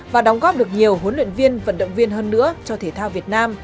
và đóng góp được nhiều huấn luyện viên vận động viên hơn nữa cho thể thao việt nam